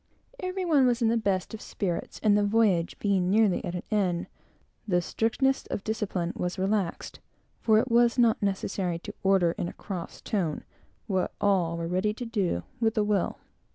Every one was in the best of spirits; and, the voyage being nearly at an end, the strictness of discipline was relaxed; for it was not necessary to order in a cross tone, what every one was ready to do with a will.